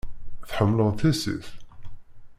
Tḥemmleḍ tissit?